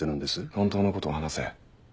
本当のことを話せ。